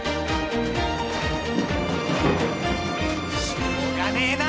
しょうがねえな！